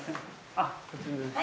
あっこちらですか。